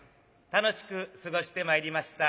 楽しく過ごしてまいりました